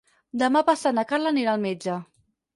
Demà passat na Carla anirà al metge.